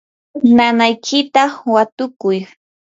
nanaykita watukuy.